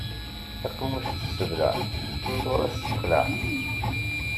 Taqemmuct tesseblaɛ, ṣṣuṛa tessexlaɛ.